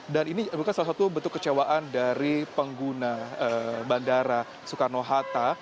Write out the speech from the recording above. dan ini bukan salah satu bentuk kecewaan dari pengguna bandara soekarno hatta